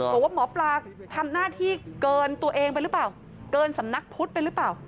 บอกว่าหมอปลาทำหน้าที่เกินตัวเองไปหรือเปล่าเกินสำนักพุทธไปหรือเปล่า